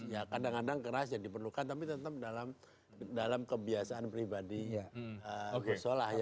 ya kadang kadang keras yang diperlukan tapi tetap dalam kebiasaan pribadi ghosnola